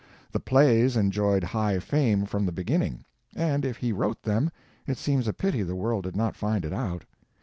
The Plays enjoyed high fame from the beginning; and if he wrote them it seems a pity the world did not find it out.